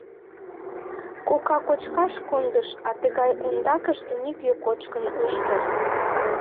Кока кочкаш кондыш, а тыгай ондакыште нигӧ кочкын ыш керт.